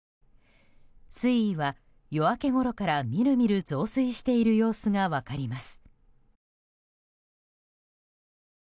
水位は夜明けごろからみるみる増水している様子が分かります。